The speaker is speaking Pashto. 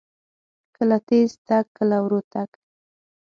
کله تیز تګ، کله ورو تګ.